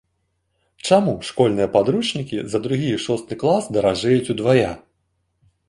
Чаму школьныя падручнікі за другі і шосты клас даражэюць удвая?